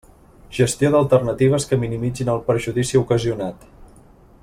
Gestió d'alternatives que minimitzin el perjudici ocasionat.